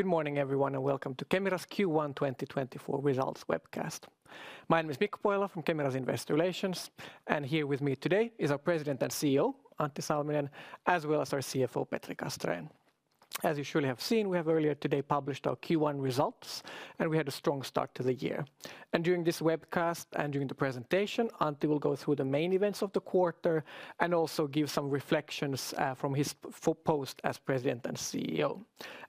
Good morning, everyone, and welcome to Kemira's Q1 2024 Results webcast. My name is Mikko Pohjala from Kemira's Investor Relations, and here with me today is our President and CEO, Antti Salminen, as well as our CFO, Petri Castrén. As you surely have seen, we have earlier today published our Q1 results, and we had a strong start to the year. And during this webcast and during the presentation, Antti will go through the main events of the quarter and also give some reflections from his post as President and CEO.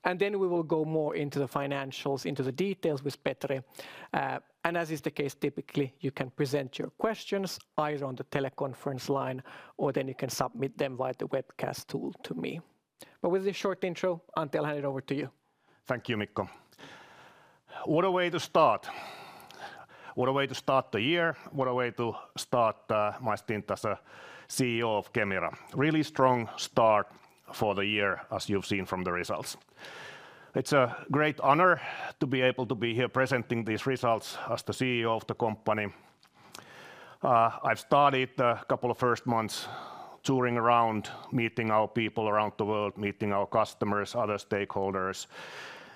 And then we will go more into the financials, into the details with Petri. And as is the case, typically, you can present your questions either on the teleconference line, or then you can submit them via the webcast tool to me. But with this short intro, Antti, I'll hand it over to you. Thank you, Mikko. What a way to start! What a way to start the year. What a way to start my stint as a CEO of Kemira. Really strong start for the year, as you've seen from the results. It's a great honor to be able to be here presenting these results as the CEO of the company. I've started the couple of first months touring around, meeting our people around the world, meeting our customers, other stakeholders,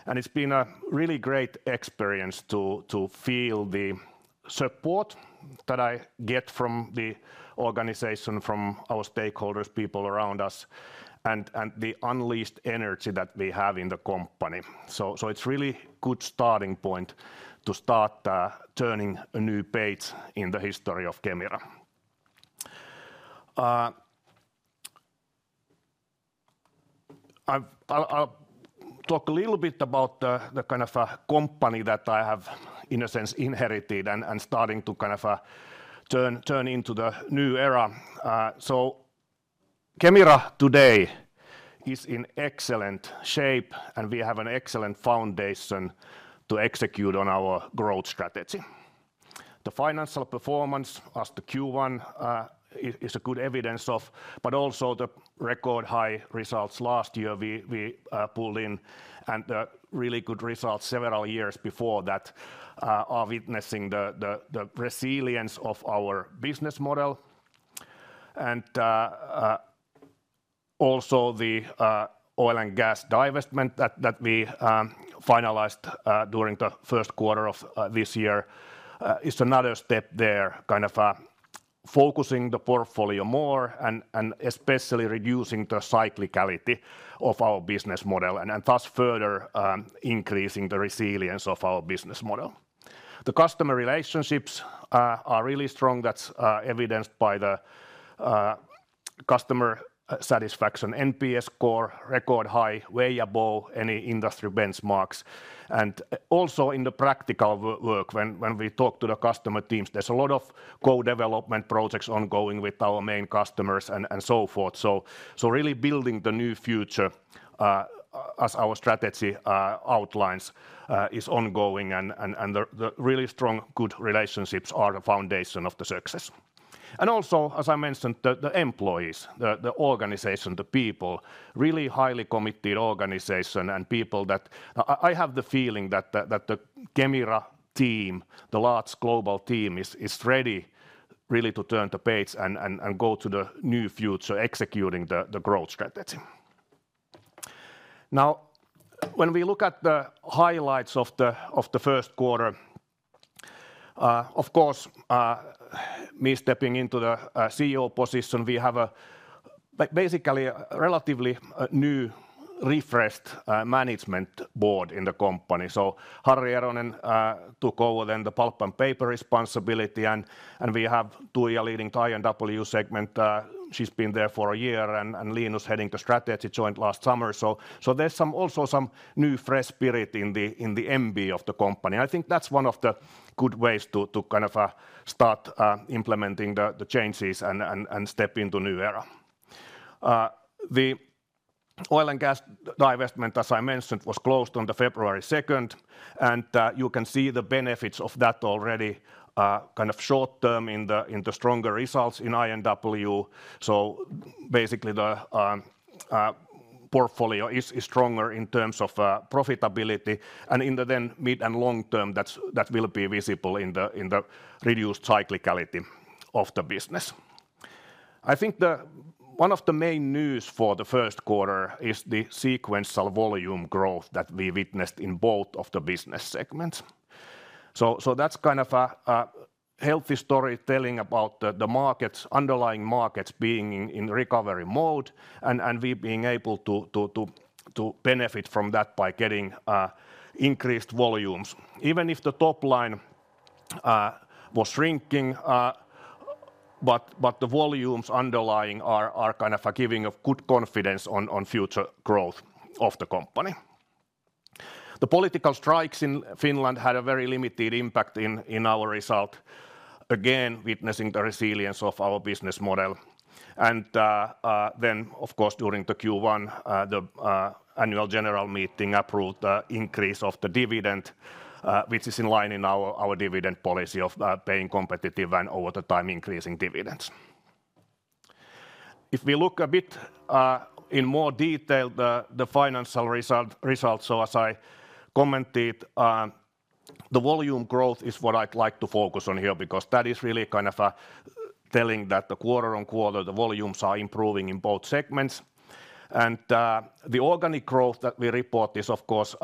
and it's been a really great experience to feel the support that I get from the organization, from our stakeholders, people around us, and the unleashed energy that we have in the company. So it's really good starting point to start turning a new page in the history of Kemira. I'll talk a little bit about the kind of company that I have, in a sense, inherited and starting to kind of turn into the new era. So Kemira today is in excellent shape, and we have an excellent foundation to execute on our growth strategy. The financial performance, as the Q1 is a good evidence of, but also the record-high results last year we pulled in, and really good results several years before that are witnessing the resilience of our business model. And also the oil and gas divestment that we finalized during the first quarter of this year is another step there, kind of focusing the portfolio more and especially reducing the cyclicality of our business model and thus further increasing the resilience of our business model. The customer relationships are really strong. That's evidenced by the customer satisfaction. NPS score, record high, way above any industry benchmarks. And also in the practical work, when we talk to the customer teams, there's a lot of co-development projects ongoing with our main customers and so forth. So really building the new future as our strategy outlines is ongoing, and the really strong, good relationships are the foundation of the success. And also, as I mentioned, the employees, the organization, the people, really highly committed organization and people that... I have the feeling that the Kemira team, the large global team, is ready really to turn the page and go to the new future, executing the growth strategy. Now, when we look at the highlights of the first quarter, of course, me stepping into the CEO position, we have basically a relatively new, refreshed management board in the company. So Harri Eronen took over then the Pulp & Paper responsibility, and we have Tuija leading the I&W segment. She's been there for a year, and Linus heading the strategy, joined last summer. So, there's some, also some new, fresh spirit in the MB of the company. I think that's one of the good ways to kind of start implementing the changes and step into new era. The oil and gas divestment, as I mentioned, was closed on the February 2nd, and you can see the benefits of that already, kind of short term in the stronger results in I&W. So basically, the portfolio is stronger in terms of profitability, and in the then mid- and long term, that's that will be visible in the reduced cyclicality of the business. I think the one of the main news for the first quarter is the sequential volume growth that we witnessed in both of the business segments. So, that's kind of a healthy story telling about the markets, underlying markets being in recovery mode, and we being able to benefit from that by getting increased volumes. Even if the top line was shrinking, but the volumes underlying are kind of giving a good confidence on future growth of the company. The political strikes in Finland had a very limited impact in our result, again, witnessing the resilience of our business model. Then, of course, during the Q1, the annual general meeting approved the increase of the dividend, which is in line in our dividend policy of being competitive and over the time increasing dividends. If we look a bit in more detail, the financial results, so as I commented... The volume growth is what I'd like to focus on here, because that is really kind of telling that the quarter-on-quarter, the volumes are improving in both segments. And the organic growth that we report is, of course,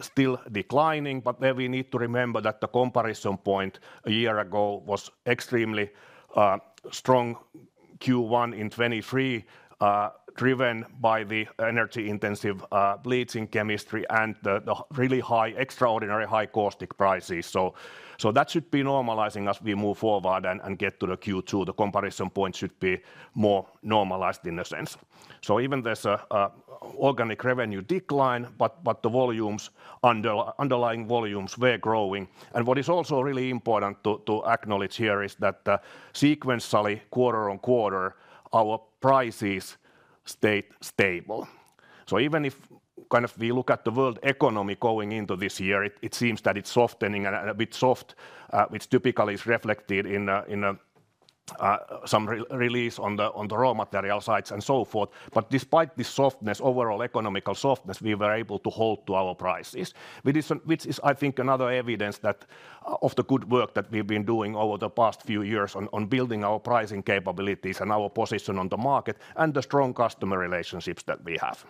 still declining, but there we need to remember that the comparison point a year ago was extremely strong Q1 in 2023, driven by the energy-intensive bleaching chemistry and the really high, extraordinary high caustic prices. So that should be normalizing as we move forward and get to the Q2. The comparison point should be more normalized in a sense. So even there's a organic revenue decline, but the volumes underlying volumes were growing. And what is also really important to acknowledge here is that, sequentially, quarter-on-quarter, our prices stayed stable. So even if, kind of, we look at the world economy going into this year, it seems that it's softening and a bit soft, which typically is reflected in some release on the raw material sides and so forth. But despite this softness, overall economic softness, we were able to hold to our prices. Which is, I think, another evidence that of the good work that we've been doing over the past few years on building our pricing capabilities and our position on the market, and the strong customer relationships that we have.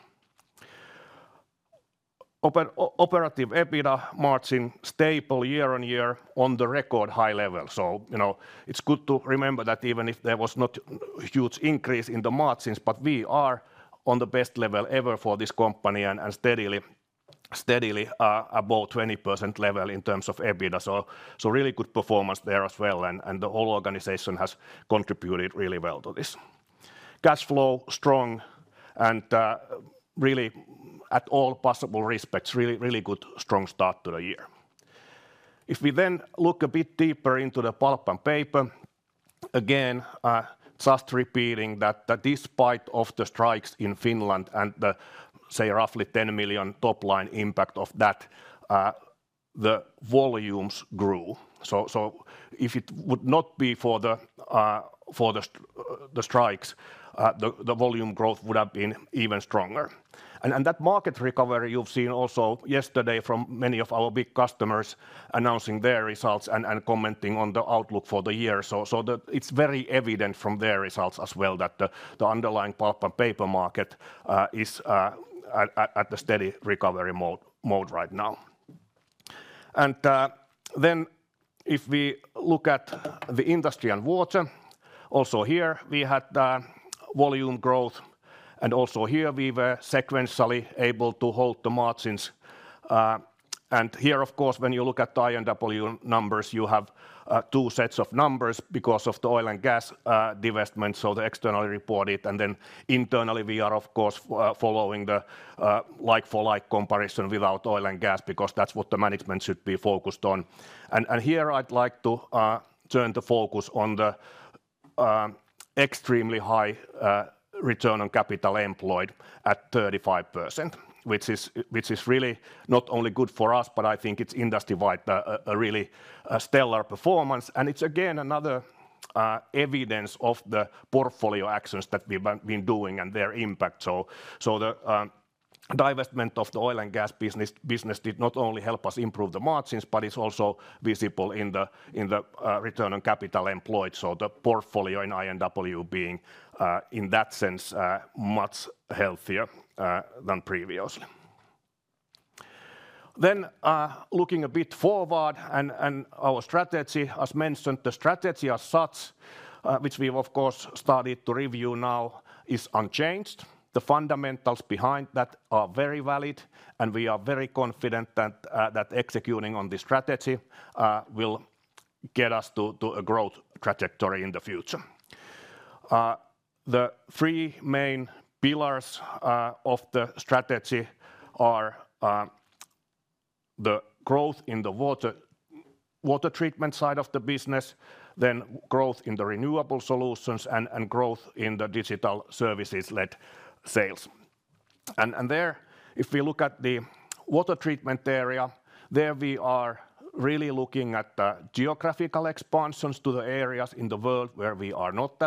Operative EBITDA margin stable year-on-year on the record high level. So, you know, it's good to remember that even if there was not huge increase in the margins, but we are on the best level ever for this company, and steadily, steadily above 20% level in terms of EBITDA. So really good performance there as well, and the whole organization has contributed really well to this. Cash flow strong, and really at all possible respects, really, really good, strong start to the year. If we then look a bit deeper into the Pulp & Paper, again, just repeating that despite of the strikes in Finland and the, say, roughly 10 million top line impact of that, the volumes grew. So if it would not be for the strikes, the volume growth would have been even stronger. That market recovery you've seen also yesterday from many of our big customers announcing their results and commenting on the outlook for the year. So it's very evident from their results as well, that the underlying Pulp & Paper market is at a steady recovery mode right now. And then if we look at the Industry & Water, also here we had volume growth, and also here we were sequentially able to hold the margins. And here, of course, when you look at the I&W numbers, you have two sets of numbers because of the oil and gas divestment, so the externally reported. And then internally, we are, of course, following the like-for-like comparison without oil and gas, because that's what the management should be focused on. Here, I'd like to turn the focus on the extremely high return on capital employed at 35%, which is really not only good for us, but I think it's industry-wide a really stellar performance. And it's again another evidence of the portfolio actions that we've been doing and their impact. So the divestment of the oil and gas business did not only help us improve the margins, but it's also visible in the return on capital employed, so the portfolio in I&W being in that sense much healthier than previously. Then looking a bit forward and our strategy. As mentioned, the strategy as such, which we've of course started to review now, is unchanged. The fundamentals behind that are very valid, and we are very confident that that executing on this strategy will get us to a growth trajectory in the future. The three main pillars of the strategy are the growth in the water treatment side of the business, then growth in the renewable solutions, and growth in the digital services-led sales. There, if we look at the water treatment area, there we are really looking at the geographical expansions to the areas in the world where we are not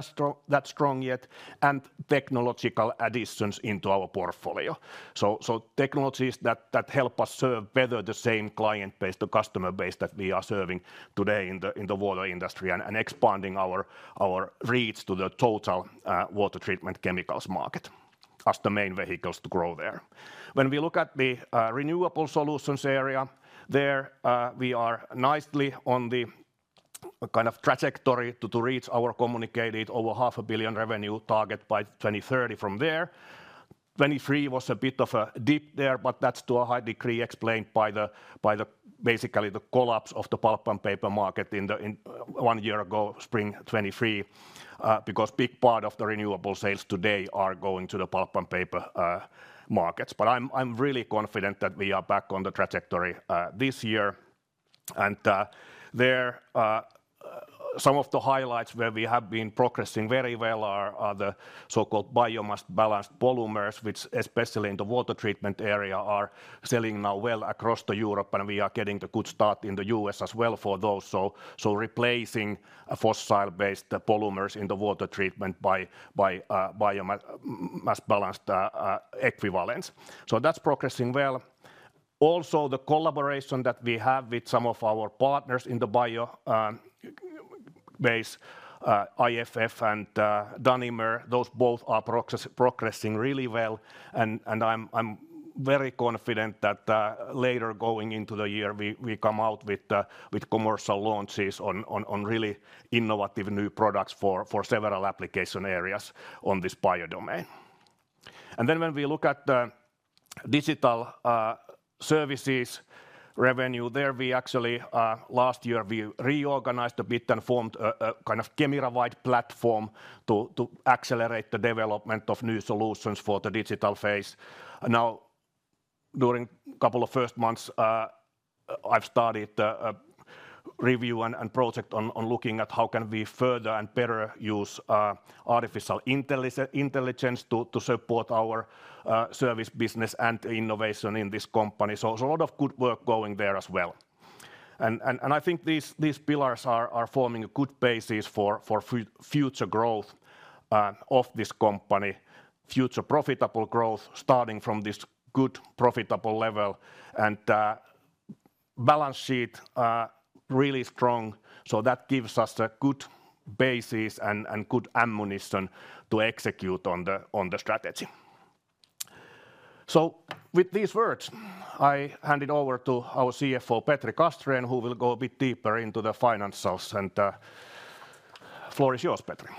that strong yet, and technological additions into our portfolio. So technologies that help us serve better the same client base, the customer base that we are serving today in the water industry, and expanding our reach to the total water treatment chemicals market, as the main vehicles to grow there. When we look at the renewable solutions area, there we are nicely on the kind of trajectory to reach our communicated over 500 million revenue target by 2030 from there. 2023 was a bit of a dip there, but that's to a high degree explained by the basically the collapse of the Pulp & Paper market in one year ago, spring 2023. Because big part of the renewable sales today are going to the Pulp & Paper markets. But I'm, I'm really confident that we are back on the trajectory this year. And there some of the highlights where we have been progressing very well are the so-called biomass-balanced polymers, which especially in the water treatment area are selling now well across the Europe, and we are getting a good start in the US as well for those. So replacing a fossil-based polymers in the water treatment by biomass-balanced equivalents. So that's progressing well. Also, the collaboration that we have with some of our partners in the bio... base, IFF and Danimer, those both are progressing really well, and I'm very confident that later going into the year, we come out with commercial launches on really innovative new products for several application areas on this bio domain. And then when we look at the digital services revenue there, we actually last year reorganized a bit and formed a kind of Kemira-wide platform to accelerate the development of new solutions for the digital phase. Now, during couple of first months, I've started a review and project on looking at how can we further and better use artificial intelligence to support our service business and innovation in this company. So there's a lot of good work going there as well. I think these pillars are forming a good basis for future growth of this company, future profitable growth starting from this good, profitable level. Balance sheet really strong, so that gives us a good basis and good ammunition to execute on the strategy. So with these words, I hand it over to our CFO, Petri Castrén, who will go a bit deeper into the financials. Floor is yours, Petri.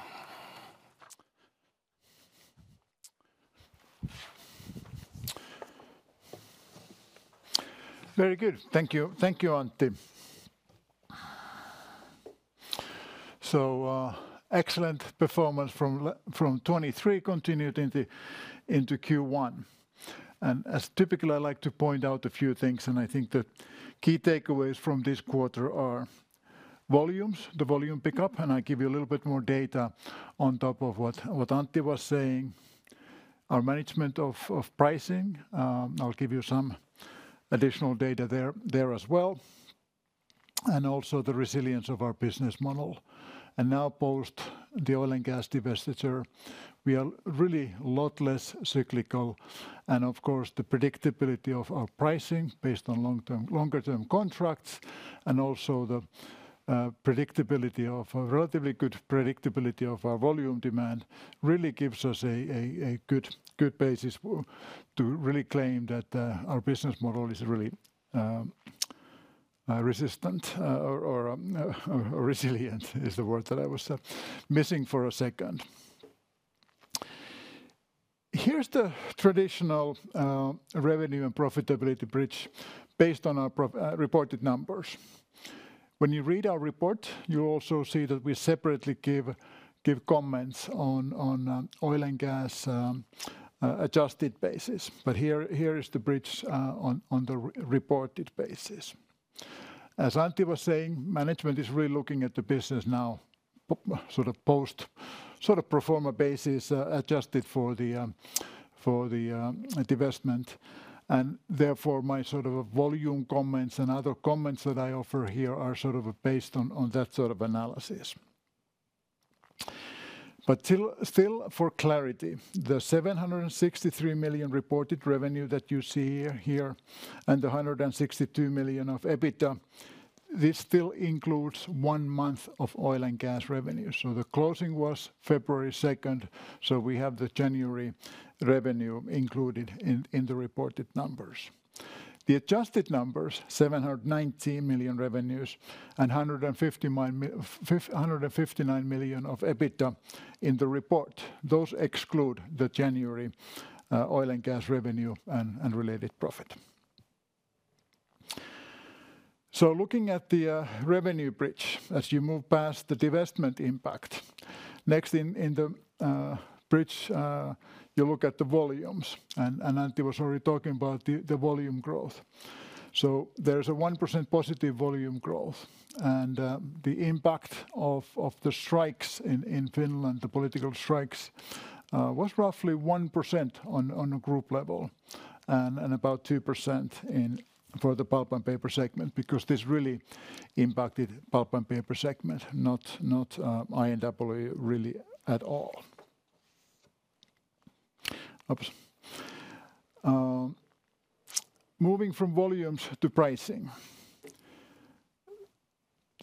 Very good. Thank you. Thank you, Antti. So, excellent performance from 2023 continued into Q1. And as typical, I like to point out a few things, and I think the key takeaways from this quarter are volumes, the volume pickup, and I give you a little bit more data on top of what Antti was saying. Our management of pricing, I'll give you some additional data there as well, and also the resilience of our business model. And now post the oil and gas divestiture, we are really a lot less cyclical and, of course, the predictability of our pricing based on long-term, longer-term contracts, and also the predictability of a relatively good predictability of our volume demand really gives us a good basis to really claim that our business model is really resistant or resilient is the word that I was missing for a second. Here's the traditional revenue and profitability bridge based on our reported numbers. When you read our report, you also see that we separately give comments on oil and gas adjusted basis. But here is the bridge on the reported basis. As Antti was saying, management is really looking at the business now, sort of post, sort of pro forma basis, adjusted for the divestment. And therefore, my sort of volume comments and other comments that I offer here are sort of based on that sort of analysis. But still for clarity, the 763 million reported revenue that you see here and the 162 million of EBITDA, this still includes one month of oil and gas revenue. So the closing was February 2nd, so we have the January revenue included in the reported numbers. The adjusted numbers, 719 million revenues and 159 million of EBITDA in the report, those exclude the January oil and gas revenue and related profit. So looking at the revenue bridge, as you move past the divestment impact, next in the bridge you look at the volumes, and Antti was already talking about the volume growth. So there's a 1% positive volume growth, and the impact of the strikes in Finland, the political strikes, was roughly 1% on a group level, and about 2% in for the Pulp & Paper segment, because this really impacted Pulp & Paper segment, not I&W really at all. Moving from volumes to pricing.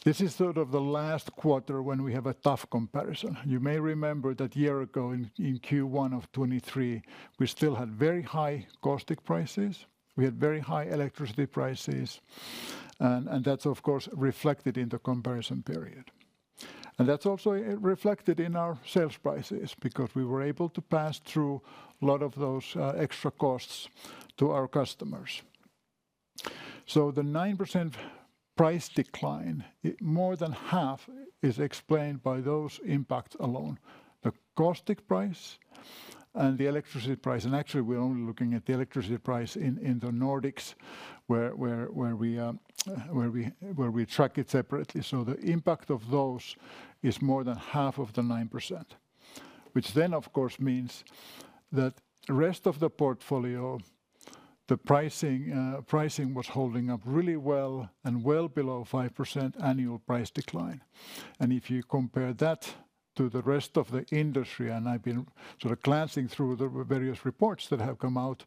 This is sort of the last quarter when we have a tough comparison. You may remember that year ago, in Q1 of 2023, we still had very high caustic prices, we had very high electricity prices, and that's, of course, reflected in the comparison period. And that's also reflected in our sales prices, because we were able to pass through a lot of those extra costs to our customers. So the 9% price decline, it more than half is explained by those impacts alone: the caustic price and the electricity price, and actually we're only looking at the electricity price in the Nordics, where we track it separately. So the impact of those is more than half of the 9%, which then of course means that the rest of the portfolio, the pricing, pricing was holding up really well and well below 5% annual price decline. And if you compare that to the rest of the industry, and I've been sort of glancing through the various reports that have come out.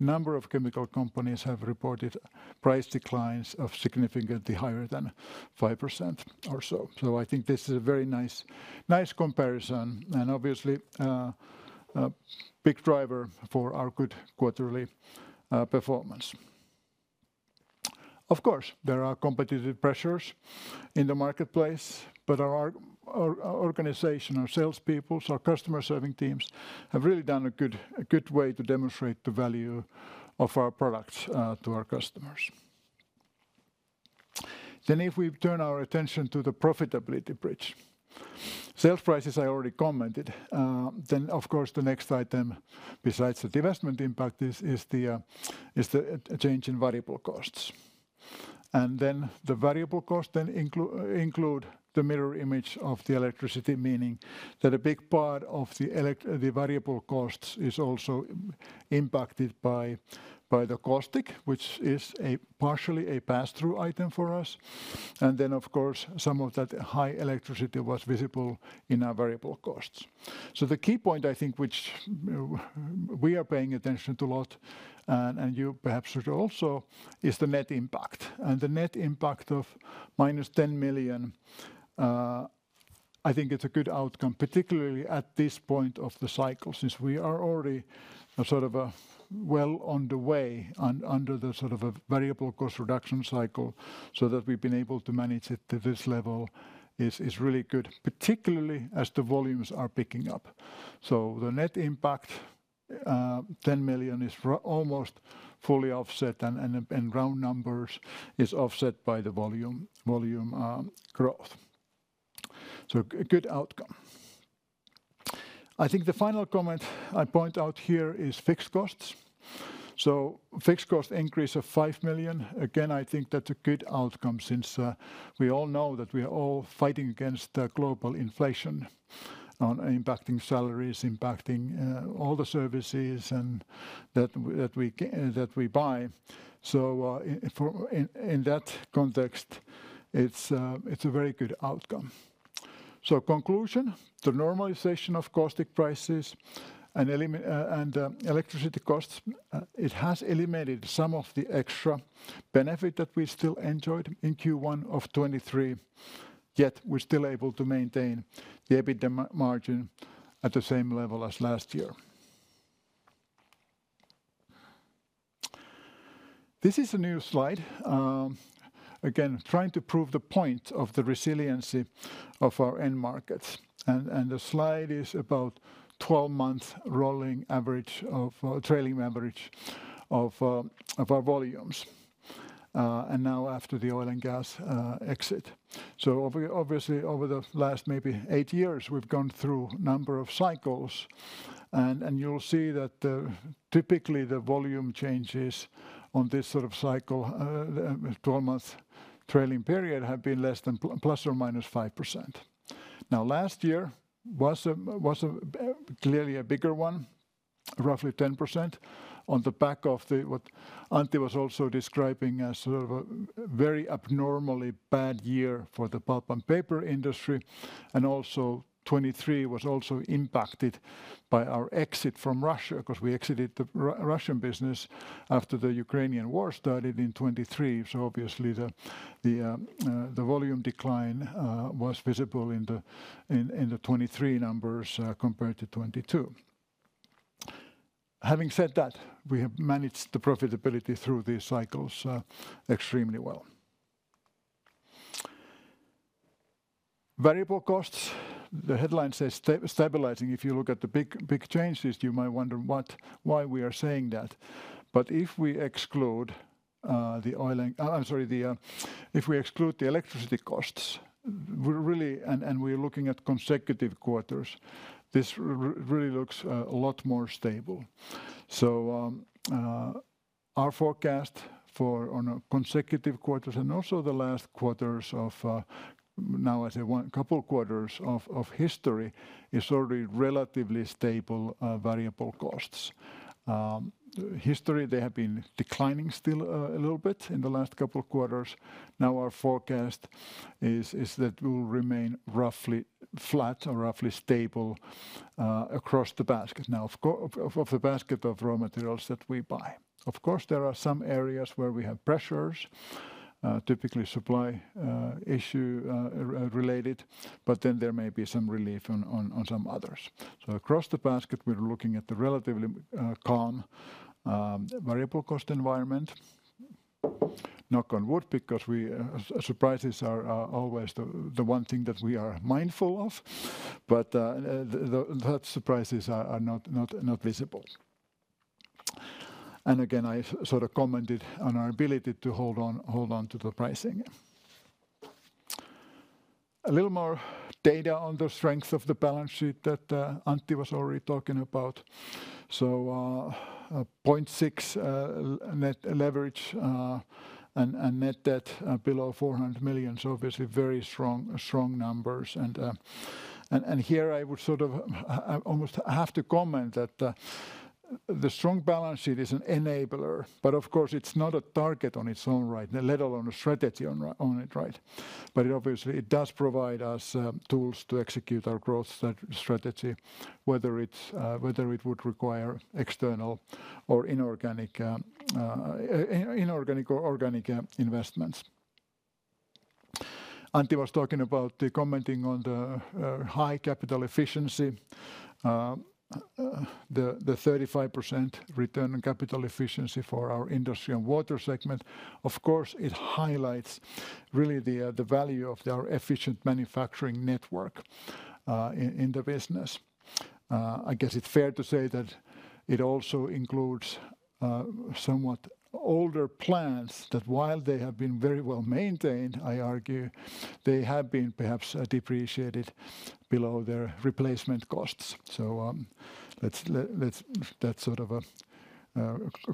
A number of chemical companies have reported price declines of significantly higher than 5% or so. So I think this is a very nice, nice comparison, and obviously, a big driver for our good quarterly performance. Of course, there are competitive pressures in the marketplace, but our organization, our salespeoples, our customer-serving teams, have really done a good, a good way to demonstrate the value of our products to our customers. Then if we turn our attention to the profitability bridge, sales prices I already commented. Then, of course, the next item, besides the divestment impact, is the change in variable costs. Then the variable costs include the mirror image of the electricity, meaning that a big part of the variable costs is also impacted by the caustic, which is partially a pass-through item for us. And then, of course, some of that high electricity was visible in our variable costs. So the key point, I think, which we are paying attention to a lot, and you perhaps should also, is the net impact. And the net impact of -10 million, I think it's a good outcome, particularly at this point of the cycle, since we are already sort of well on the way under the sort of a variable cost reduction cycle, so that we've been able to manage it to this level is really good, particularly as the volumes are picking up. So the net impact, 10 million, is almost fully offset, and in round numbers is offset by the volume growth. So a good outcome. I think the final comment I point out here is fixed costs. So fixed cost increase of 5 million, again, I think that's a good outcome since we all know that we are all fighting against the global inflation impacting salaries, impacting all the services, and that we buy. So in that context, it's a very good outcome. So conclusion, the normalization of caustic prices and elimination of electricity costs, it has eliminated some of the extra benefit that we still enjoyed in Q1 of 2023, yet we're still able to maintain the EBITDA margin at the same level as last year. This is a new slide. Again, trying to prove the point of the resiliency of our end markets, and the slide is about 12-month rolling average of trailing average of our volumes, and now after the oil and gas exit. Obviously, over the last maybe eight years, we've gone through a number of cycles, and you'll see that typically, the volume changes on this sort of cycle, the 12-month trailing period, have been less than ±5%. Now, last year was clearly a bigger one, roughly 10%, on the back of what Antti was also describing as sort of a very abnormally bad year for the Pulp & Paper industry. Also, 2023 was also impacted by our exit from Russia, 'cause we exited the Russian business after the Ukrainian war started in 2023, so obviously the volume decline was visible in the 2023 numbers compared to 2022. Having said that, we have managed the profitability through these cycles extremely well. Variable costs, the headline says stabilizing. If you look at the big changes, you might wonder why we are saying that. But if we exclude the oil and. I'm sorry, if we exclude the electricity costs, we're really and we're looking at consecutive quarters, this really looks a lot more stable. So, our forecast for consecutive quarters and also the last quarters, now as a couple quarters of history, is already relatively stable variable costs. History, they have been declining still a little bit in the last couple of quarters. Now, our forecast is that we'll remain roughly flat or roughly stable across the basket, now, of the basket of raw materials that we buy. Of course, there are some areas where we have pressures, typically supply issue related, but then there may be some relief on some others. So across the basket, we're looking at the relatively calm variable cost environment. Knock on wood, because we, surprises are always the one thing that we are mindful of, but, the surprises are not visible. And again, I sort of commented on our ability to hold on to the pricing. A little more data on the strength of the balance sheet that, Antti was already talking about. So, 0.6 net leverage, and net debt below 400 million, so obviously very strong numbers. And here I would sort of almost have to comment that the strong balance sheet is an enabler, but of course, it's not a target on its own right, let alone a strategy on it, right? But obviously, it does provide us tools to execute our growth strategy, whether it's whether it would require external or inorganic or organic investments. Antti was talking about the commenting on the high capital efficiency, the 35% return on capital efficiency for our Industry & Water segment. Of course, it highlights really the value of our efficient manufacturing network in the business. I guess it's fair to say that it also includes somewhat older plants, that while they have been very well maintained, I argue, they have been perhaps depreciated below their replacement costs. So, let's... That's sort of a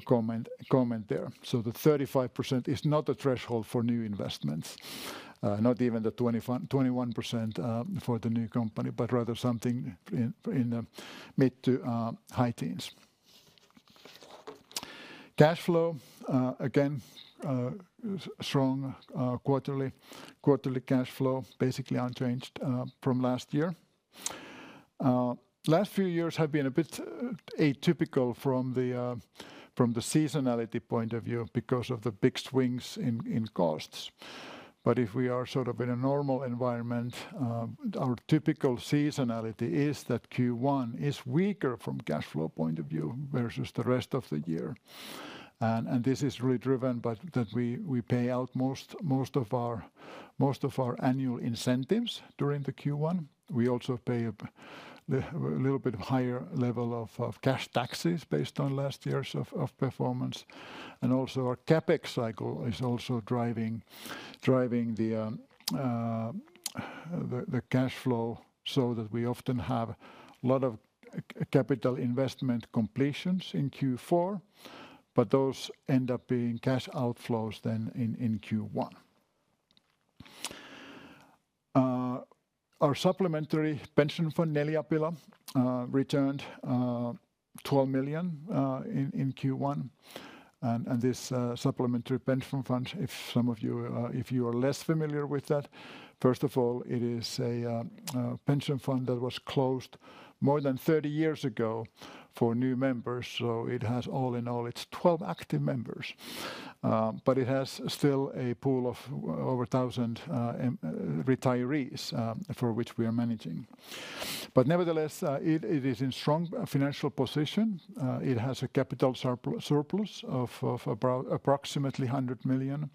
comment there. So the 35% is not a threshold for new investments, not even the 21% for the new company, but rather something in the mid- to high teens. Cash flow, again, strong quarterly cash flow, basically unchanged from last year. Last few years have been a bit atypical from the seasonality point of view because of the big swings in costs. But if we are sort of in a normal environment, our typical seasonality is that Q1 is weaker from cash flow point of view versus the rest of the year. And this is really driven by that we pay out most of our annual incentives during the Q1. We also pay a little bit higher level of cash taxes based on last year's performance. And also, our CapEx cycle is also driving the cash flow so that we often have a lot of capital investment completions in Q4, but those end up being cash outflows then in Q1. Our supplementary pension fund, Neliapila, returned 12 million in Q1. And this supplementary pension fund, if some of you are less familiar with that, first of all, it is a pension fund that was closed more than 30 years ago for new members, so it has all in all, it's 12 active members. But it has still a pool of over 1,000 retirees for which we are managing. But nevertheless, it is in strong financial position. It has a capital surplus of approximately 100 million.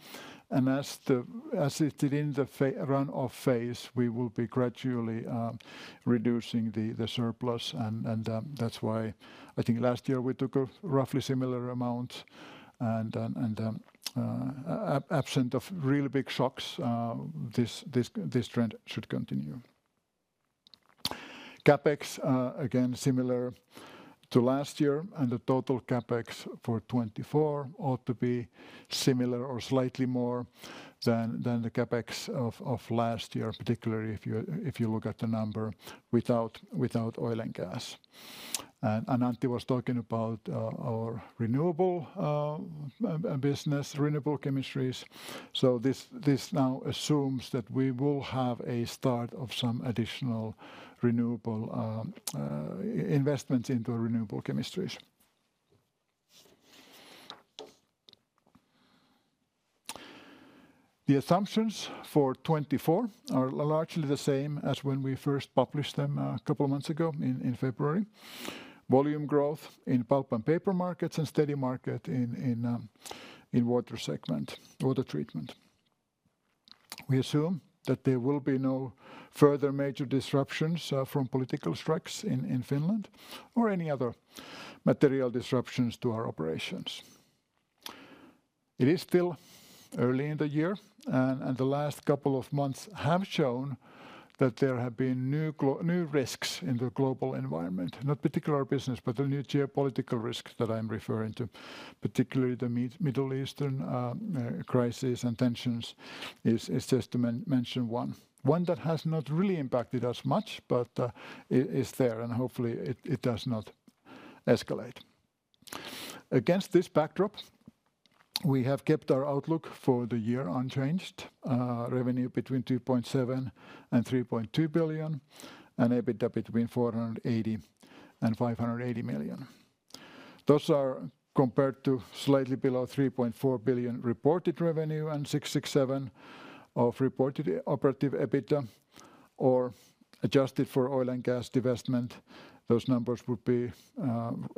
And as it did in the run-off phase, we will be gradually reducing the surplus, and that's why I think last year we took a roughly similar amount, and absent really big shocks, this trend should continue. CapEx again similar to last year, and the total CapEx for 2024 ought to be similar or slightly more than the CapEx of last year, particularly if you look at the number without oil and gas. And Antti was talking about our renewable business, renewable chemistries. So this, this now assumes that we will have a start of some additional renewable investment into renewable chemistries. The assumptions for 2024 are largely the same as when we first published them a couple of months ago in February. Volume growth in Pulp & Paper markets, and steady market in water segment, water treatment. We assume that there will be no further major disruptions from political strikes in Finland or any other material disruptions to our operations. It is still early in the year, and the last couple of months have shown that there have been new risks in the global environment, not particular our business, but the new geopolitical risk that I'm referring to, particularly the Middle Eastern crisis and tensions is just to mention one. One that has not really impacted us much, but, it is there, and hopefully, it, it does not escalate. Against this backdrop, we have kept our outlook for the year unchanged, revenue between 2.7 billion and 3.2 billion, and EBITDA between 480 million and 580 million. Those are compared to slightly below 3.4 billion reported revenue and 667 million of reported operative EBITDA, or adjusted for oil and gas divestment, those numbers would be,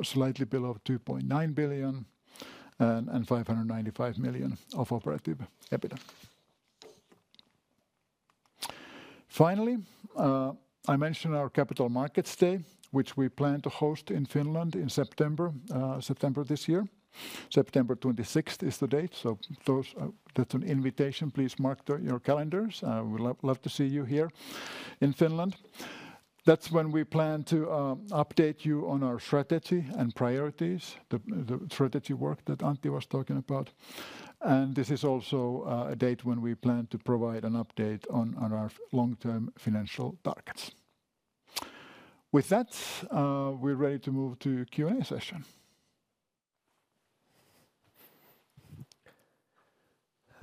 slightly below 2.9 billion and 595 million of operative EBITDA. Finally, I mentioned our Capital Markets Day, which we plan to host in Finland in September, September this year. September 26th is the date, so those are. That's an invitation. Please mark your calendars. We'd love, love to see you here in Finland. That's when we plan to update you on our strategy and priorities, the strategy work that Antti was talking about. And this is also a date when we plan to provide an update on our long-term financial targets. With that, we're ready to move to Q&A session.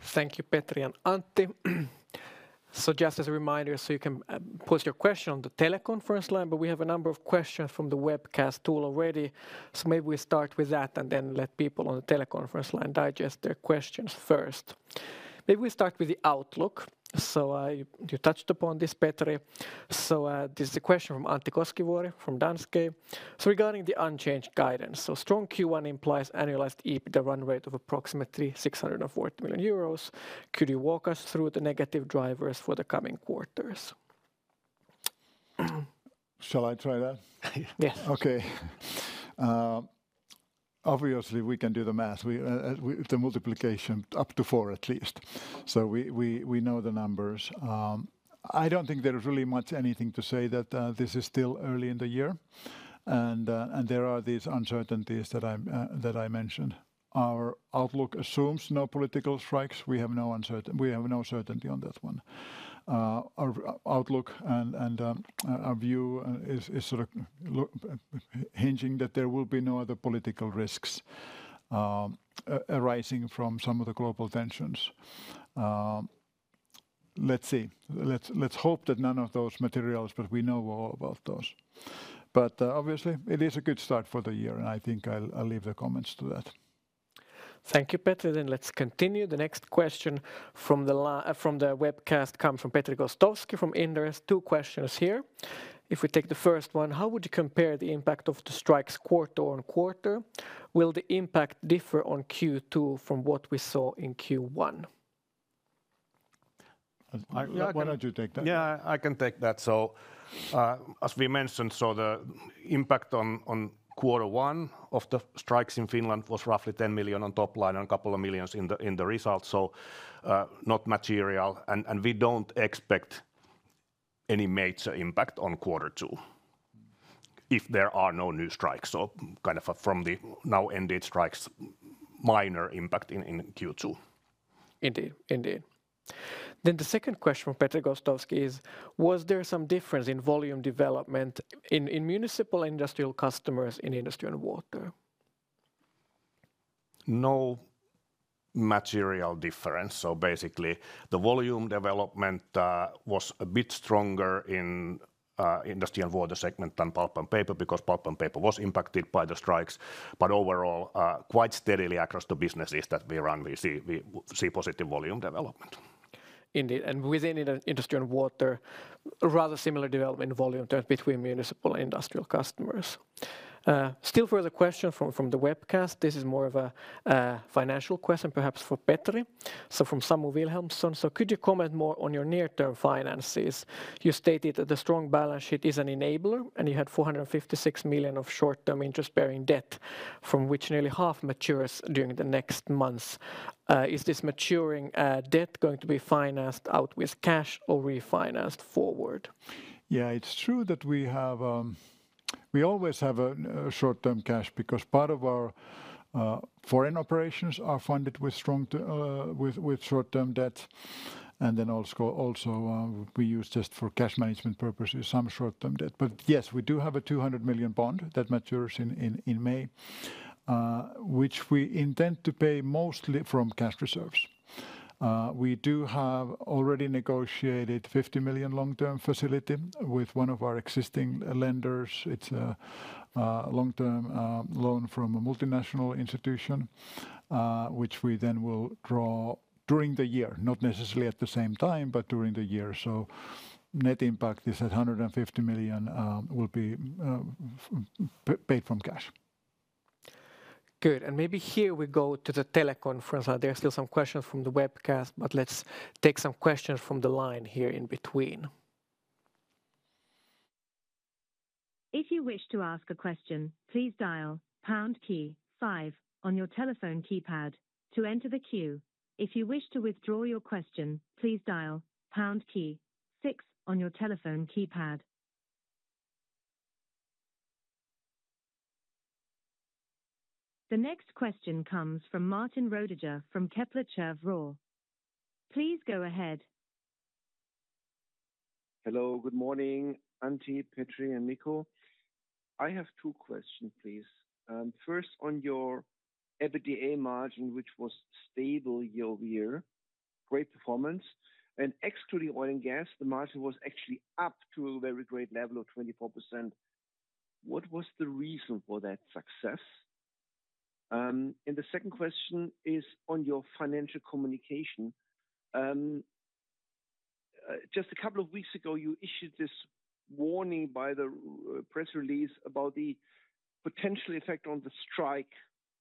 Thank you, Petri and Antti. So just as a reminder, so you can, pose your question on the teleconference line, but we have a number of questions from the webcast tool already. So maybe we start with that, and then let people on the teleconference line digest their questions first. Maybe we start with the outlook. So you touched upon this, Petri. So, this is a question from Antti Koskivuori from Danske. "So regarding the unchanged guidance, so strong Q1 implies annualized EBITDA run rate of approximately 640 million euros. Could you walk us through the negative drivers for the coming quarters? Shall I try that? Yes. Okay. Obviously, we can do the math. The multiplication up to 4 at least, so we know the numbers. I don't think there is really much anything to say that this is still early in the year, and there are these uncertainties that I mentioned. Our outlook assumes no political strikes. We have no certainty on that one. Our outlook and our view is sort of hinging that there will be no other political risks arising from some of the global tensions. Let's see. Let's hope that none of those materializes, but we know all about those. But obviously, it is a good start for the year, and I think I'll leave the comments to that. Thank you, Petri. Then let's continue. The next question from the webcast comes from Petri Gostowski from Inderes. Two questions here. If we take the first one: "How would you compare the impact of the strikes quarter on quarter? Will the impact differ on Q2 from what we saw in Q1? Why don't you take that? Yeah, I can take that. So, as we mentioned, so the impact on quarter one of the strikes in Finland was roughly 10 million on top line and couple of millions in the results, so not material. And we don't expect any major impact on quarter two if there are no new strikes. So kind of, from the now-ended strikes, minor impact in Q2. Indeed, indeed. Then the second question from Petri Gostowski is: "Was there some difference in volume development in municipal industrial customers in Industry & Water? No material difference. So basically, the volume development was a bit stronger in Industry & Water segment than Pulp & Paper, because Pulp & Paper was impacted by the strikes. But overall, quite steadily across the businesses that we run, we see positive volume development. Indeed. And within Industry & Water, a rather similar development in volume terms between municipal and industrial customers. Still further question from the webcast. This is more of a financial question, perhaps for Petri. So from Samu Wilhelmsson: "So could you comment more on your near-term finances? You stated that the strong balance sheet is an enabler, and you had 456 million of short-term interest-bearing debt, from which nearly half matures during the next months. Is this maturing debt going to be financed out with cash or refinanced forward? Yeah, it's true that we have. We always have a short-term cash because part of our foreign operations are funded with short-term debt, and then also we use just for cash management purposes, some short-term debt. But yes, we do have a 200 million bond that matures in May, which we intend to pay mostly from cash reserves. We do have already negotiated 50 million long-term facility with one of our existing lenders. It's a long-term loan from a multinational institution, which we then will draw during the year, not necessarily at the same time, but during the year. So net impact is 150 million, will be paid from cash. Good. And maybe here we go to the teleconference line. There are still some questions from the webcast, but let's take some questions from the line here in between. If you wish to ask a question, please dial pound key five on your telephone keypad to enter the queue. If you wish to withdraw your question, please dial pound key six on your telephone keypad. The next question comes from Martin Roediger from Kepler Cheuvreux. Please go ahead. Hello, good morning, Antti, Petri, and Mikko. I have two questions, please. First, on your EBITDA margin, which was stable year-over-year, great performance, and excluding oil and gas, the margin was actually up to a very great level of 24%. What was the reason for that success? And the second question is on your financial communication. Just a couple of weeks ago, you issued this warning by the press release about the potential effect on the strike,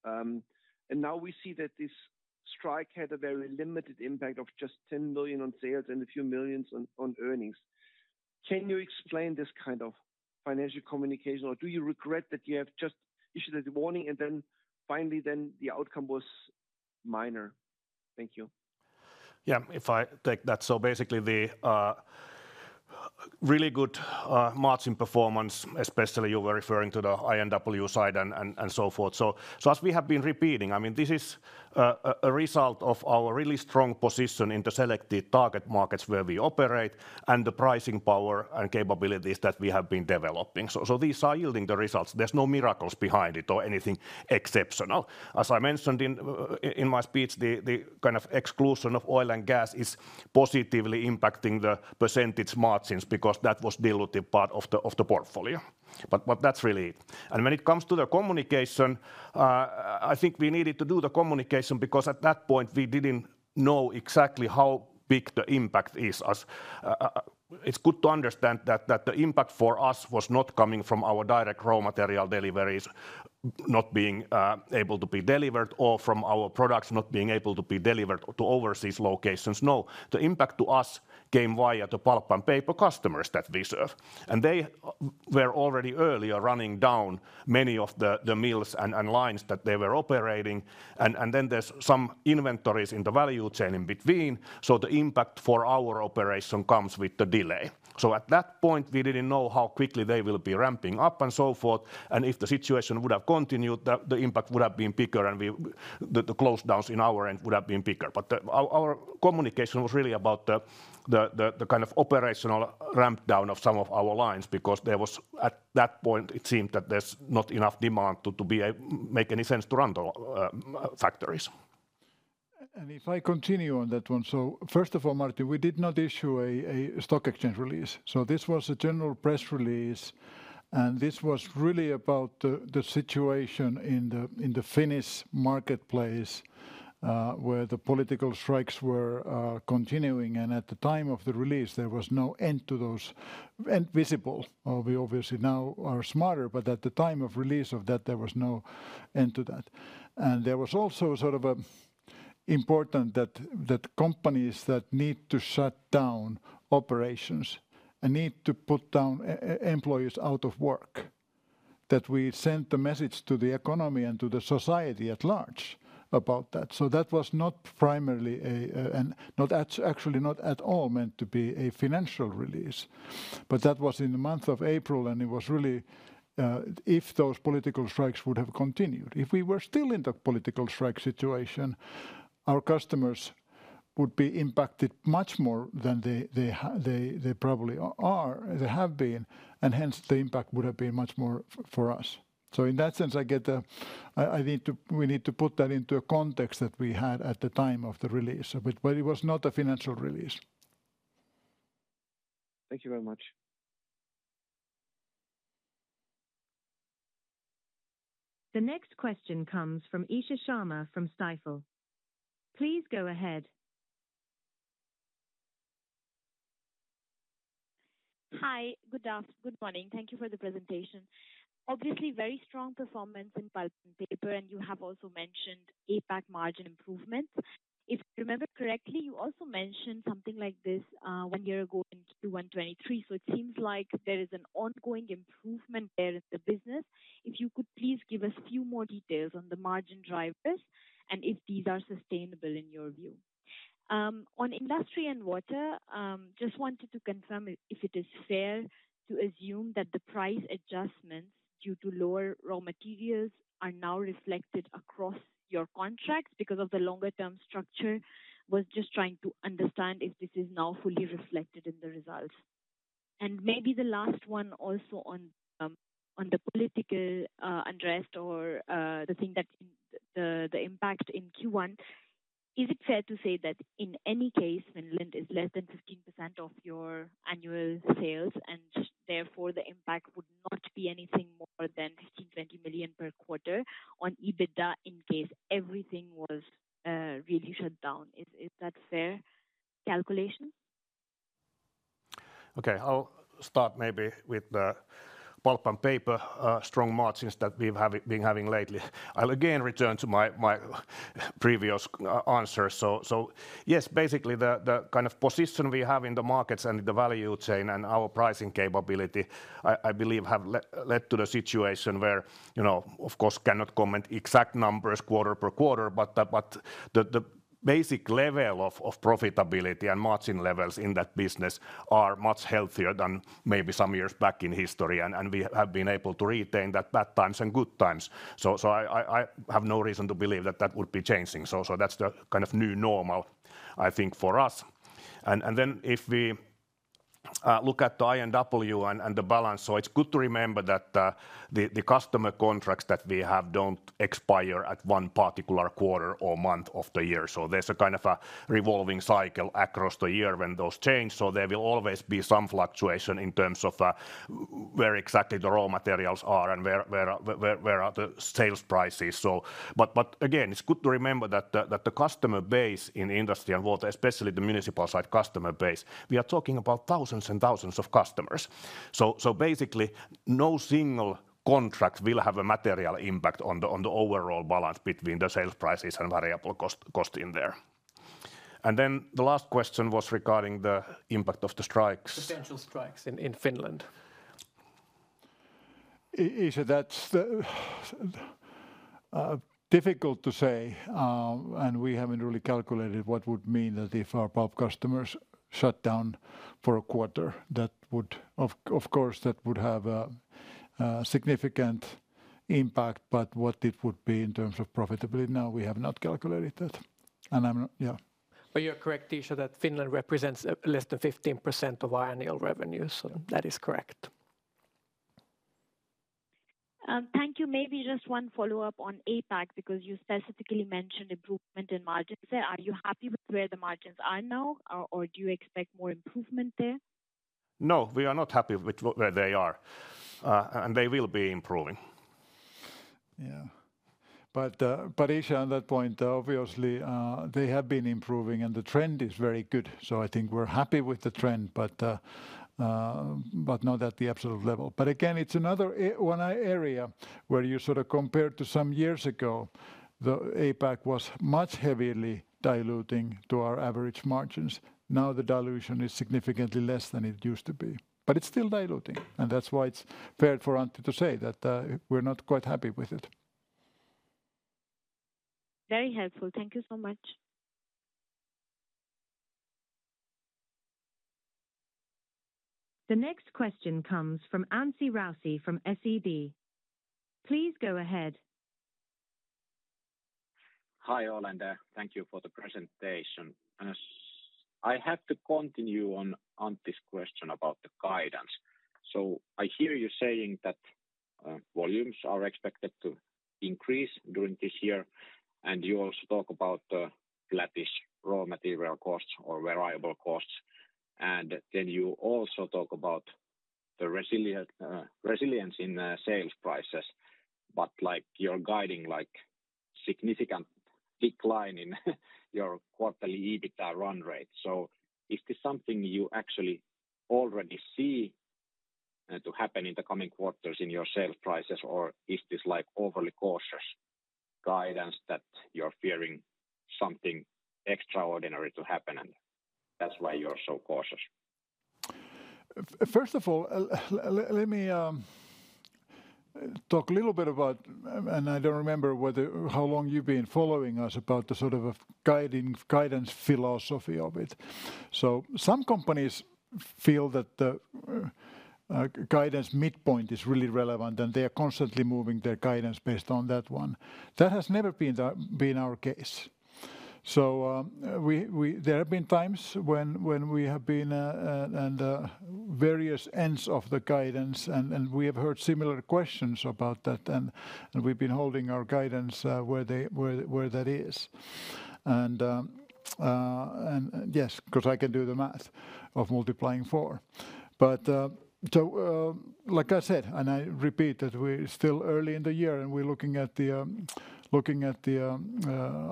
and now we see that this strike had a very limited impact of just 10 million on sales and a few millions on earnings. Can you explain this kind of financial communication, or do you regret that you have just issued the warning and then finally the outcome was minor? Thank you. Yeah, if I take that. So basically, the really good margin performance, especially you were referring to the I&W side and so forth. So as we have been repeating, I mean, this is a result of our really strong position in the selected target markets where we operate, and the pricing power and capabilities that we have been developing. So these are yielding the results. There's no miracles behind it or anything exceptional. As I mentioned in my speech, the kind of exclusion of oil and gas is positively impacting the percentage margins, because that was dilutive part of the portfolio. But that's really it. And when it comes to the communication, I think we needed to do the communication because at that point, we didn't know exactly how big the impact is. It's good to understand that the impact for us was not coming from our direct raw material deliveries not being able to be delivered, or from our products not being able to be delivered to overseas locations. No, the impact to us came via the Pulp & Paper customers that we serve, and they were already earlier running down many of the mills and lines that they were operating. And then there's some inventories in the value chain in between, so the impact for our operation comes with the delay. So at that point, we didn't know how quickly they will be ramping up and so forth, and if the situation would have continued, the impact would have been bigger and the close downs in our end would have been bigger. But the... Our communication was really about the kind of operational ramp down of some of our lines, because there was, at that point, it seemed that there's not enough demand to make any sense to run the factories. And if I continue on that one, so first of all, Martin, we did not issue a stock exchange release, so this was a general press release. And this was really about the situation in the Finnish marketplace, where the political strikes were continuing, and at the time of the release, there was no end to those end visible. We obviously now are smarter, but at the time of release of that, there was no end to that. And there was also sort of important that companies that need to shut down operations and need to put employees out of work, that we sent the message to the economy and to the society at large about that. So that was not primarily, actually not at all meant to be a financial release, but that was in the month of April, and it was really if those political strikes would have continued. If we were still in that political strike situation, our customers would be impacted much more than they probably are, they have been, and hence, the impact would have been much more for us. So in that sense, I get, I need to—we need to put that into a context that we had at the time of the release. But it was not a financial release. Thank you very much. The next question comes from Isha Sharma from Stifel. Please go ahead. Hi, good morning. Thank you for the presentation. Obviously, very strong performance in Pulp & Paper, and you have also mentioned APAC margin improvements. If I remember correctly, you also mentioned something like this one year ago in Q1 2023, so it seems like there is an ongoing improvement there in the business. If you could please give us a few more details on the margin drivers, and if these are sustainable in your view. On Industry & Water, just wanted to confirm if it is fair to assume that the price adjustments due to lower raw materials are now reflected across your contracts because of the longer-term structure? Was just trying to understand if this is now fully reflected in the results. And maybe the last one also on, on the political unrest or, the thing that, the impact in Q1. Is it fair to say that in any case, Finland is less than 15% of your annual sales, and therefore, the impact would not be anything more than 15 million-20 million per quarter on EBITDA in case everything was, really shut down? Is that fair calculation? Okay, I'll start maybe with the Pulp & Paper, strong margins that we have been having lately. I'll again return to my previous answer. So yes, basically, the kind of position we have in the markets and the value chain and our pricing capability, I believe, have led to the situation where, you know, of course, cannot comment exact numbers quarter per quarter, but the basic level of profitability and margin levels in that business are much healthier than maybe some years back in history. And we have been able to retain that bad times and good times. So I have no reason to believe that that would be changing. So that's the kind of new normal, I think, for us. Then if we look at the I&W and the balance, so it's good to remember that the customer contracts that we have don't expire at one particular quarter or month of the year. So there's a kind of a revolving cycle across the year when those change, so there will always be some fluctuation in terms of where exactly the raw materials are and where the sales prices are, so. But again, it's good to remember that the customer base in Industry & Water, especially the municipal side customer base, we are talking about thousands and thousands of customers. So basically, no single contract will have a material impact on the overall balance between the sales prices and variable cost in there. Then the last question was regarding the impact of the strikes- Potential strikes in Finland. It's difficult to say, and we haven't really calculated what that would mean if our pulp customers shut down for a quarter, that would, of course, have a significant impact. But what it would be in terms of profitability, no, we have not calculated that. And I'm not... Yeah. But you're correct, Isha, that Finland represents less than 15% of our annual revenue, so that is correct. Thank you. Maybe just one follow-up on APAC, because you specifically mentioned improvement in margins there. Are you happy with where the margins are now, or do you expect more improvement there? No, we are not happy with where they are, and they will be improving. Yeah. But, but Isha, on that point, obviously, they have been improving, and the trend is very good. So I think we're happy with the trend, but, but not at the absolute level. But again, it's another area where you sort of compare to some years ago, the APAC was much heavily diluting to our average margins. Now the dilution is significantly less than it used to be, but it's still diluting, and that's why it's fair for Antti to say that, we're not quite happy with it. Very helpful. Thank you so much. The next question comes from Anssi Raussi from SEB. Please go ahead. Hi, all, and thank you for the presentation. I have to continue on this question about the guidance. So I hear you saying that volumes are expected to increase during this year, and you also talk about flattish raw material costs or variable costs. And then you also talk about the resilience in sales prices. But, like, you're guiding, like, significant decline in your quarterly EBITDA run rate. So is this something you actually already see to happen in the coming quarters in your sales prices, or is this, like, overly cautious guidance that you're fearing something extraordinary to happen, and that's why you're so cautious? First of all, let me talk a little bit about... And I don't remember whether, how long you've been following us, about the sort of guidance philosophy of it. So some companies feel that the guidance midpoint is really relevant, and they are constantly moving their guidance based on that one. That has never been our case. So, there have been times when we have been in the various ends of the guidance, and we have heard similar questions about that, and we've been holding our guidance, where that is. And yes, 'cause I can do the math of multiplying four. So, like I said, and I repeat, that we're still early in the year, and we're looking at the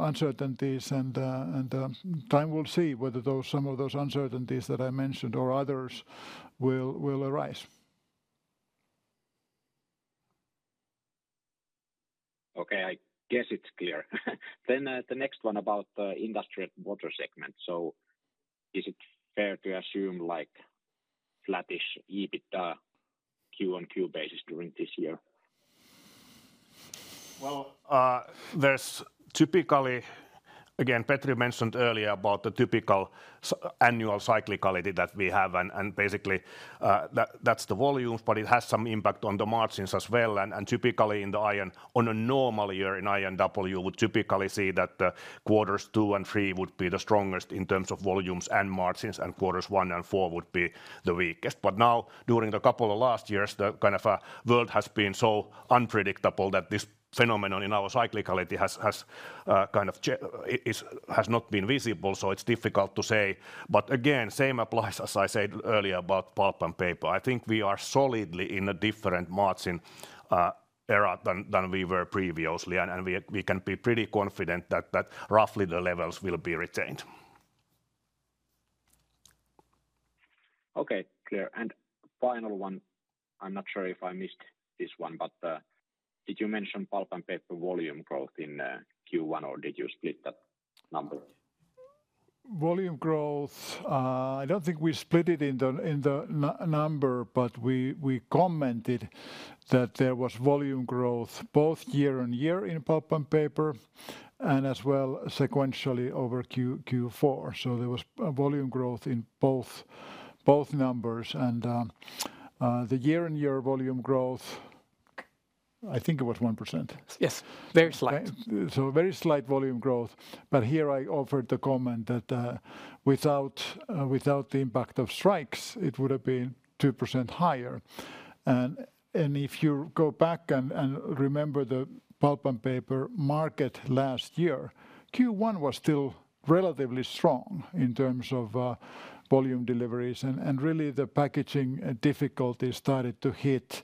uncertainties, and time will see whether some of those uncertainties that I mentioned or others will arise. Okay, I guess it's clear. Then, the next one about the industrial water segment. So is it fair to assume, like, flattish EBITDA Q-on-Q basis during this year? Well, there's typically... Again, Petri mentioned earlier about the typical annual cyclicality that we have, and, and basically, that, that's the volumes, but it has some impact on the margins as well. And, and typically in the I&- on a normal year in I&W, we would typically see that, quarters two and three would be the strongest in terms of volumes and margins, and quarters one and four would be the weakest. But now, during the couple of last years, the kind of, world has been so unpredictable that this phenomenon in our cyclicality has not been visible, so it's difficult to say. But again, same applies, as I said earlier, about Pulp & Paper. I think we are solidly in a different margin era than we were previously, and we can be pretty confident that roughly the levels will be retained. Okay, clear. And final one, I'm not sure if I missed this one, but did you mention Pulp & Paper volume growth in Q1, or did you split that number? Volume growth, I don't think we split it in the, in the number, but we, we commented that there was volume growth both year-on-year in Pulp & Paper, and as well sequentially over Q4. So there was a volume growth in both, both numbers. And, the year-on-year volume growth, I think it was 1%. Yes, very slight. So very slight volume growth, but here I offered the comment that without the impact of strikes, it would've been 2% higher. And if you go back and remember the Pulp & Paper market last year, Q1 was still relatively strong in terms of volume deliveries. And really the packaging difficulties started to hit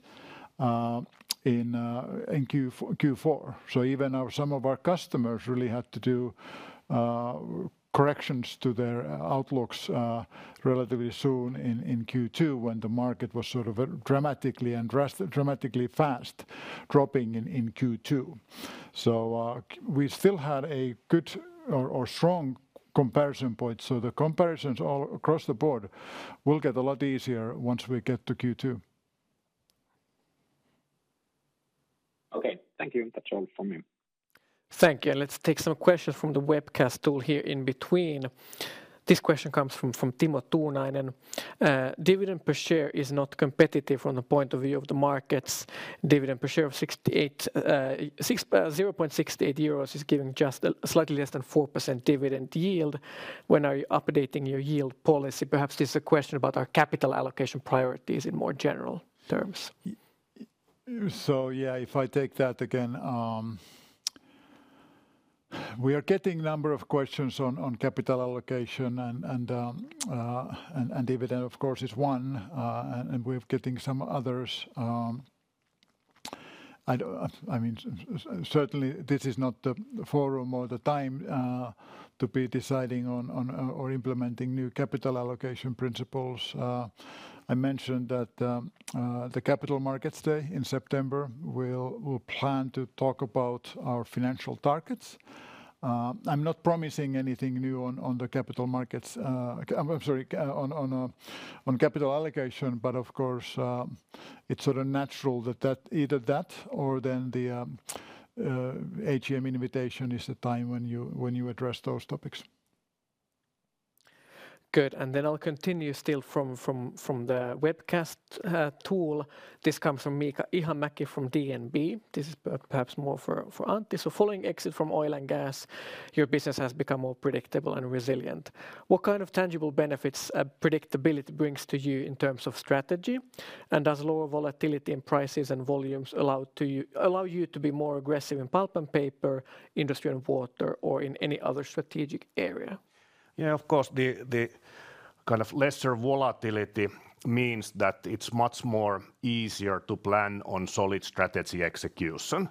in Q4. So even some of our customers really had to do corrections to their outlooks relatively soon in Q2, when the market was sort of dramatically fast dropping in Q2. So we still had a good or strong comparison point. So the comparisons all across the board will get a lot easier once we get to Q2. Okay, thank you. That's all from me. Thank you. Let's take some questions from the webcast tool here in between. This question comes from, from Timo Tuunainen. "Dividend per share is not competitive from the point of view of the markets. Dividend per share of 0.68 euros is giving just a slightly less than 4% dividend yield. When are you updating your yield policy? Perhaps this is a question about our capital allocation priorities in more general terms. So yeah, if I take that again, we are getting a number of questions on capital allocation and dividend, of course, is one. We're getting some others. I don't—I mean, certainly, this is not the forum or the time to be deciding on or implementing new capital allocation principles. I mentioned that the Capital Markets Day in September, we'll plan to talk about our financial targets. I'm not promising anything new on the capital markets. I'm sorry, on capital allocation, but of course, it's sort of natural that either that or then the AGM invitation is the time when you address those topics. Good. And then I'll continue still from the webcast tool. This comes from Miika Ihamäki from DNB. This is perhaps more for Antti. "So following exit from oil and gas, your business has become more predictable and resilient. What kind of tangible benefits predictability brings to you in terms of strategy? And does lower volatility in prices and volumes allow you to be more aggressive in Pulp & Paper, industrial and water, or in any other strategic area? Yeah, of course, the kind of lesser volatility means that it's much more easier to plan on solid strategy execution.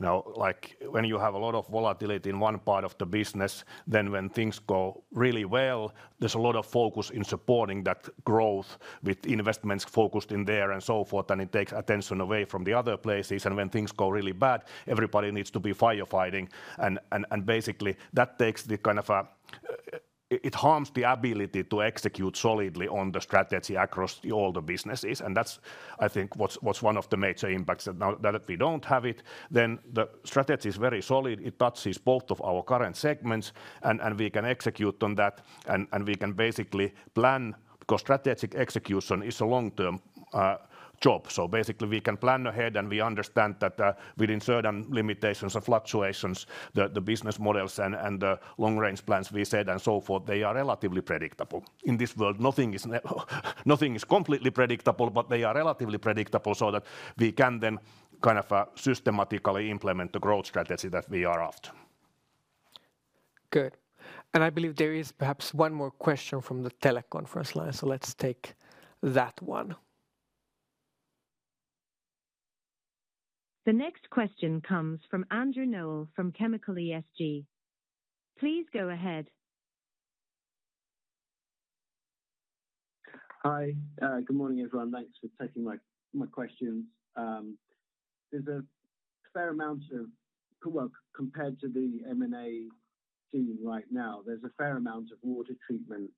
Now, like, when you have a lot of volatility in one part of the business, then when things go really well, there's a lot of focus in supporting that growth with investments focused in there and so forth, and it takes attention away from the other places. And when things go really bad, everybody needs to be firefighting. And basically that takes the kind of... It harms the ability to execute solidly on the strategy across all the businesses, and that's, I think, what's one of the major impacts. Now, that if we don't have it, then the strategy is very solid. It touches both of our current segments, and we can execute on that, and we can basically plan, because strategic execution is a long-term job. So basically, we can plan ahead, and we understand that, within certain limitations or fluctuations, the business models and the long-range plans we set and so forth, they are relatively predictable. In this world, nothing is completely predictable, but they are relatively predictable so that we can then kind of systematically implement the growth strategy that we are after. Good. And I believe there is perhaps one more question from the teleconference line, so let's take that one. The next question comes from Andrew Noël from Chemical ESG. Please go ahead. Hi. Good morning, everyone. Thanks for taking my, my questions. There's a fair amount of... Well, compared to the M&A team right now, there's a fair amount of water treatment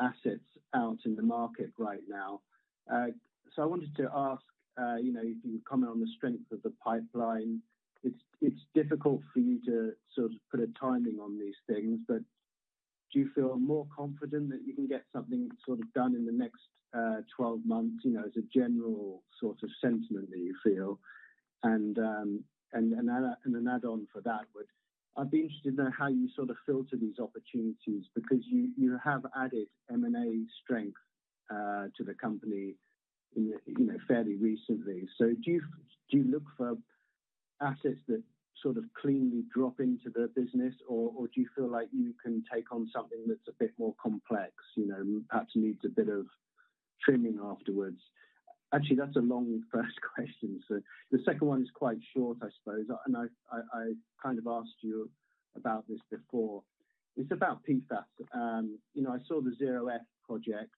assets out in the market right now. So I wanted to ask, you know, if you can comment on the strength of the pipeline. It's, it's difficult for you to sort of put a timing on these things, but do you feel more confident that you can get something sort of done in the next, 12 months, you know, as a general sort of sentiment that you feel? And, and an add, and an add-on for that would— I'd be interested to know how you sort of filter these opportunities, because you, you have added M&A strength, to the company in the, you know, fairly recently. So do you look for assets that sort of cleanly drop into the business, or do you feel like you can take on something that's a bit more complex, you know, perhaps needs a bit of trimming afterwards? Actually, that's a long first question. So the second one is quite short, I suppose, and I kind of asked you about this before. It's about PFAS. You know, I saw the ZeroF Project,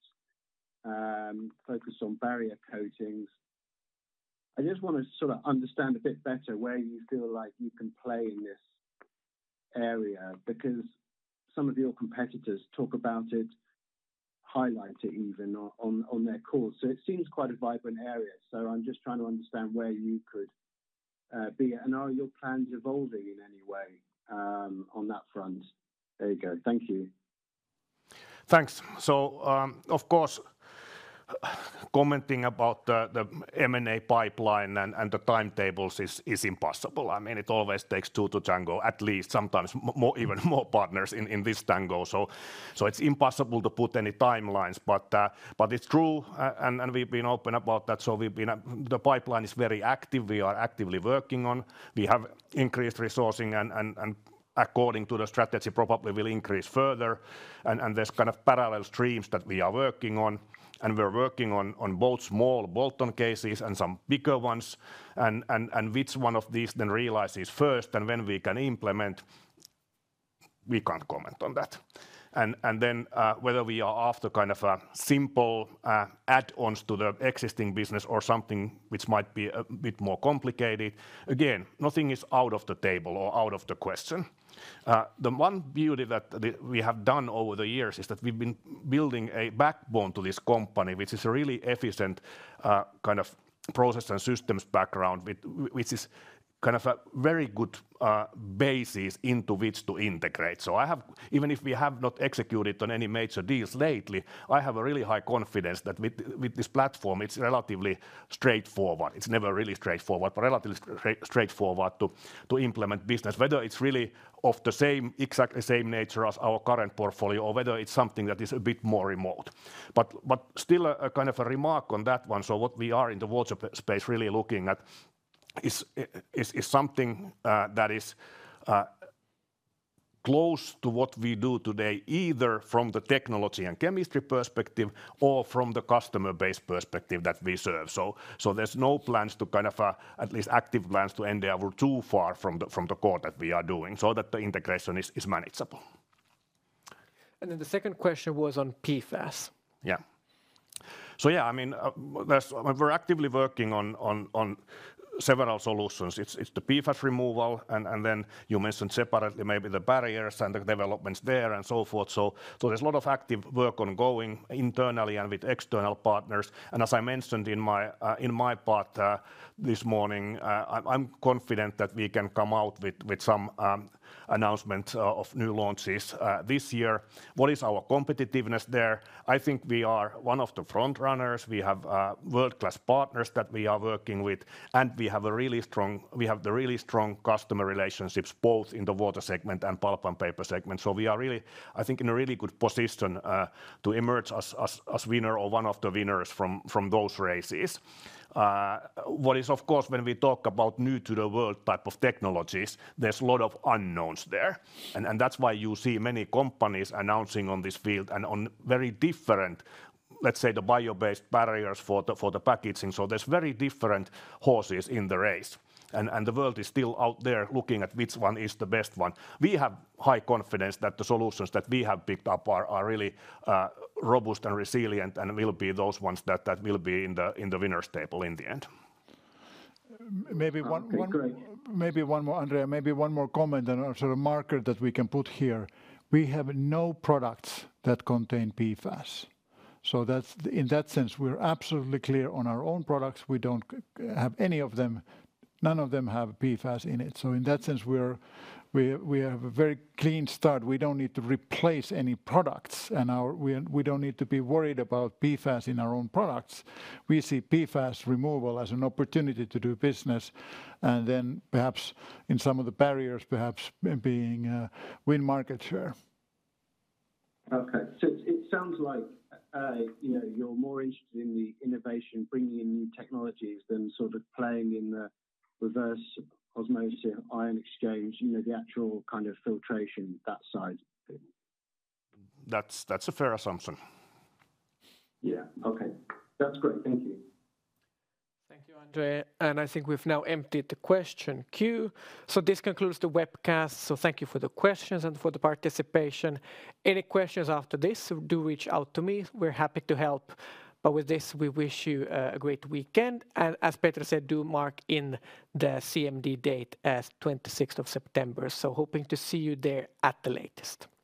focused on barrier coatings. I just want to sort of understand a bit better where you feel like you can play in this area, because some of your competitors talk about it, highlight it even on their calls. So it seems quite a vibrant area, so I'm just trying to understand where you could be, and are your plans evolving in any way, on that front? There you go. Thank you. Thanks. So, of course, commenting about the M&A pipeline and the timetables is impossible. I mean, it always takes two to tango, at least sometimes more, even more partners in this tango. So, it's impossible to put any timelines, but it's true, and we've been open about that, so we've been... The pipeline is very active. We are actively working on. We have increased resourcing and, according to the strategy, probably will increase further. And there's kind of parallel streams that we are working on, and we're working on both small bolt-on cases and some bigger ones, and which one of these then realizes first and when we can implement... we can't comment on that. And then, whether we are after kind of a simple add-ons to the existing business or something which might be a bit more complicated, again, nothing is out of the table or out of the question. The one beauty that we have done over the years is that we've been building a backbone to this company, which is a really efficient kind of process and systems background, which is kind of a very good basis into which to integrate. Even if we have not executed on any major deals lately, I have a really high confidence that with this platform, it's relatively straightforward. It's never really straightforward, but relatively straightforward to implement business, whether it's really of the same, exactly same nature as our current portfolio, or whether it's something that is a bit more remote. But still, a kind of remark on that one, so what we are in the water space really looking at is something that is close to what we do today, either from the technology and chemistry perspective, or from the customer base perspective that we serve. So there's no plans to kind of, at least active plans, to endeavor too far from the core that we are doing, so that the integration is manageable. Then the second question was on PFAS. Yeah. So yeah, I mean, that's. We're actively working on several solutions. It's the PFAS removal, and then you mentioned separately maybe the barriers and the developments there, and so forth. So there's a lot of active work ongoing internally and with external partners, and as I mentioned in my part this morning, I'm confident that we can come out with some announcement of new launches this year. What is our competitiveness there? I think we are one of the front runners. We have world-class partners that we are working with, and we have really strong customer relationships, both in the water segment and Pulp & Paper segment. So we are really, I think, in a really good position to emerge as winner or one of the winners from those races. What is, of course, when we talk about new-to-the-world type of technologies, there's a lot of unknowns there, and that's why you see many companies announcing on this field and on very different, let's say, the bio-based barriers for the packaging. So there's very different horses in the race, and the world is still out there looking at which one is the best one. We have high confidence that the solutions that we have picked up are really robust and resilient, and will be those ones that will be in the winners' table in the end. Maybe one, one- Okay, great. Maybe one more, Andrew, maybe one more comment, and a sort of marker that we can put here: We have no products that contain PFAS. So that's in that sense, we're absolutely clear on our own products. We don't have any of them. None of them have PFAS in it, so in that sense, we're, we, we have a very clean start. We don't need to replace any products, and we, we don't need to be worried about PFAS in our own products. We see PFAS removal as an opportunity to do business, and then perhaps in some of the barriers, perhaps winning market share. Okay. So it sounds like, you know, you're more interested in the innovation, bringing in new technologies, than sort of playing in the reverse osmosis, ion exchange, you know, the actual kind of filtration, that side of things. That's a fair assumption. Yeah, okay. That's great. Thank you. Thank you, Andrew, and I think we've now emptied the question queue. So this concludes the webcast, so thank you for the questions and for the participation. Any questions after this, do reach out to me. We're happy to help. But with this, we wish you a great weekend, and as Petri said, do mark in the CMD date as 26th of September. So hoping to see you there at the latest. Thank you.